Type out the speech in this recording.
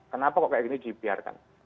kenapa kok kayak gini dibiarkan